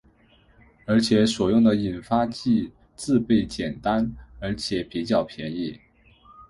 而且所用的引发剂制备简单而且比较便宜。